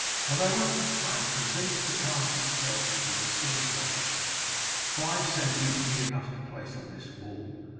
However, I am convinced the castle itself will be the scene of action. Five sentries will be enough to place on this wall.